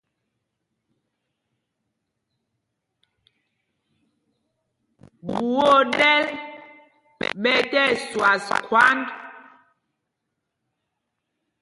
Ɓuá o ɗɛ́l ɓɛ tí ɛsüas khwánd.